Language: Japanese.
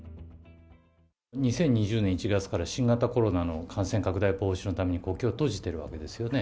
２０２０年１月から新型コロナの感染拡大防止のために国境を閉じてるわけですよね。